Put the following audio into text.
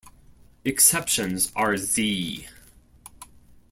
Exceptions are z.